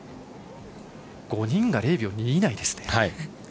５人が０秒２以内ですね。